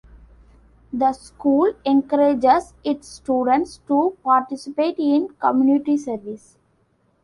The school encourages its students to participate in community service.